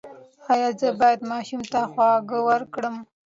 ایا زه باید ماشوم ته خواږه ورکړم؟